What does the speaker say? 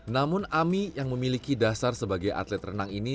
namun ami yang memiliki dasar sebagai atlet renang ini